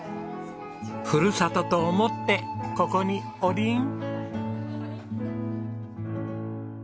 ふるさとと思ってここにおりん。